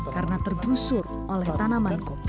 karena tergusur oleh tanaman kopi